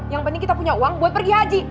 yang penting kita punya uang buat pergi haji